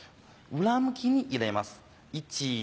裏向きに入れます。